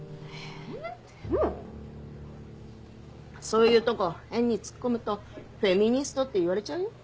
そういうとこ変に突っ込むと「フェミニスト」って言われちゃうよ。